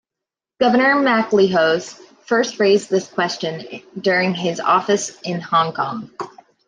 Governor MacLehose first raised this question during his office in Hong Kong.